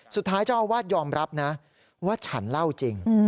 สุดท้ายเจ้าอาวาสยอมรับนะว่าฉันเล่าจริง